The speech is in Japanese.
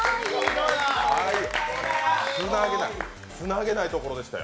つなげないところでしたよ